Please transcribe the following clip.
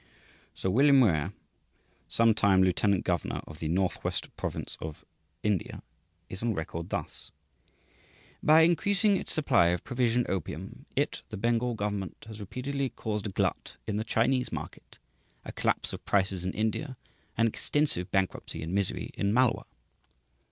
Sir William Muir, some time lieutenant governor of the Northwest Provinces of India, is on record thus: "By increasing its supply of 'provision' opium, it (the Bengal government) has repeatedly caused a glut in the Chinese market, a collapse of prices in India, an extensive bankruptcy and misery in Malwa."